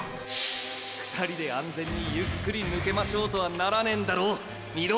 “２人で安全にゆっくりぬけましょう”とはならねーんだろ御堂筋！！